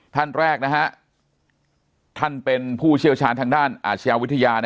ท่านแรกท่านเป็นผู้เชี่ยวชาญทางด้านอาชญาวิทยา